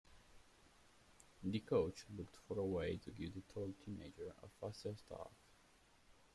The coach looked for a way to give the tall teenager a faster start.